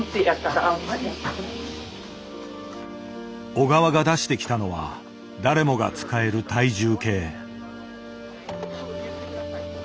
小川が出してきたのは誰もが使える「体重計」。